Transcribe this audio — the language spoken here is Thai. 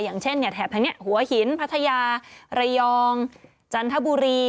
อย่างเช่นแถบทางนี้หัวหินพัทยาระยองจันทบุรี